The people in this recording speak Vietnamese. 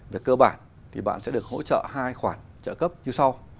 về cơ bản thì bạn sẽ được hỗ trợ hai khoản trợ cấp như sau